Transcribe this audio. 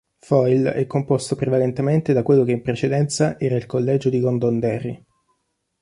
Foyle è composto prevalentemente da quello che in precedenza era il collegio di Londonderry.